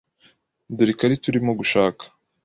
Dore ikarita urimo gushaka.